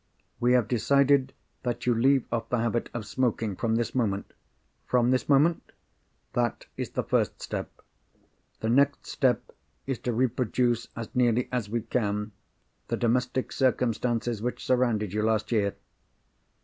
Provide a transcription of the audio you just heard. We have decided that you leave off the habit of smoking from this moment." "From this moment?" "That is the first step. The next step is to reproduce, as nearly as we can, the domestic circumstances which surrounded you last year."